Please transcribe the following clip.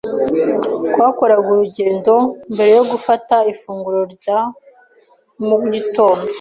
Twakoraga urugendo mbere yo gufata ifunguro rya mu gitondo.